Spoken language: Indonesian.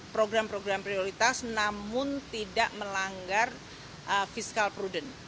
program program prioritas namun tidak melanggar fiskal prudent